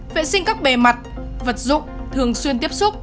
vệ sinh các bề mặt vật dụng thường xuyên tiếp xúc